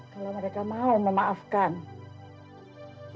kalau mereka mau memaafkan